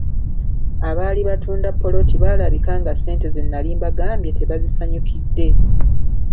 Abaali batunda ppoloti baalabika nga ssente ze nali mbagambye tebazisanyukidde.